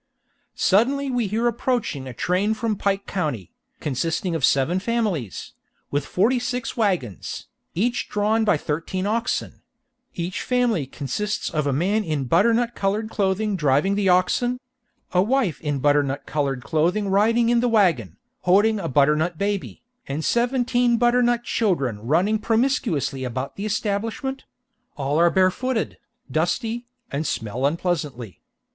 Suddenly we hear approaching a train from Pike County, consisting of seven families, with forty six wagons, each drawn by thirteen oxen; each family consists of a man in butternut colored clothing driving the oxen; a wife in butternut colored clothing riding in the wagon, holding a butternut baby, and seventeen butternut children running promiscuously about the establishment; all are barefooted, dusty, and smell unpleasantly.